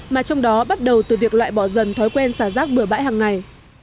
mà trong đó bắt đầu từ việc loại bỏ dần thói quen xả rác bửa bãi hằng ngày